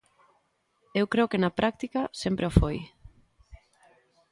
Eu creo que na práctica sempre o foi.